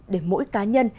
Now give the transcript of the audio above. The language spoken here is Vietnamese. để mỗi cá nhân